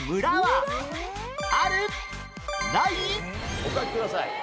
お書きください。